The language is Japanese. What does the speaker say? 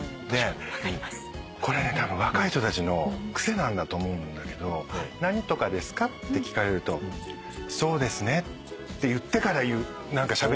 これねたぶん若い人たちの癖なんだと思うんだけど「何とかですか？」って聞かれると「そうですね」って言ってからしゃべりだす。